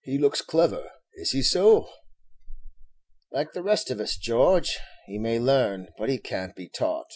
"He looks clever; is he so?" "Like the rest of us, George, he may learn, but he can't be taught.